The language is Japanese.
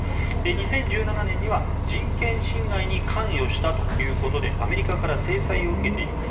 ２０１７年には人権侵害に関与したということでアメリカから制裁を受けています。